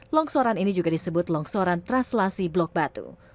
longsoran ini juga disebut longsoran translasi blok batu